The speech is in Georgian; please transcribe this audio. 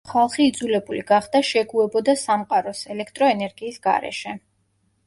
ხალხი იძულებული გახდა შეგუებოდა სამყაროს, ელექტროენერგიის გარეშე.